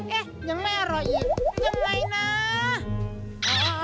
เอ๊ะยังไม่อร่อยอีกยังไงนะ